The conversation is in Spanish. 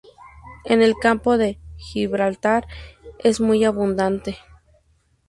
En el Campo de Gibraltar es muy abundante.